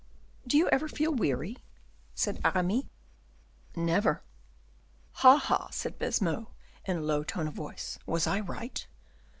"Do you ever feel weary?" said Aramis. "Never." "Ha, ha," said Baisemeaux, in a low tone of voice; "was I right?"